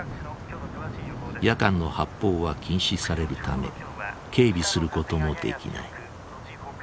夜間の発砲は禁止されるため警備することもできない。